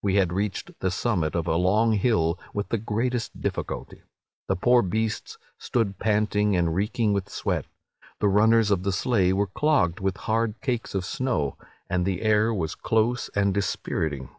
"We had reached the summit of a long hill with the greatest difficulty. The poor beasts stood panting and reeking with sweat; the runners of the sleigh were clogged with hard cakes of snow, and the air was close and dispiriting.